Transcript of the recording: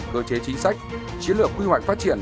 cơ chế chính sách chiến lược quy hoạch phát triển